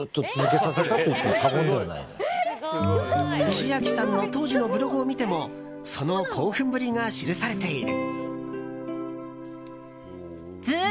千秋さんの当時のブログを見てもその興奮ぶりが記されている。